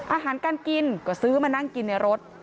อาหารการกินก็ซื้อมานั่งกินในรถ